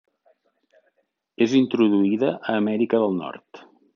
És introduïda a Amèrica del Nord.